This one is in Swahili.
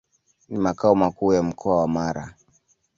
Ni makao makuu ya Mkoa wa Mara.